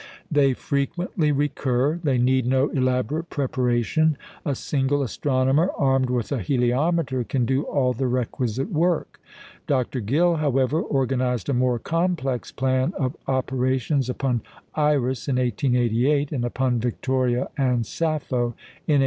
They frequently recur; they need no elaborate preparation; a single astronomer armed with a heliometer can do all the requisite work. Dr. Gill, however, organized a more complex plan of operations upon Iris in 1888, and upon Victoria and Sappho in 1889.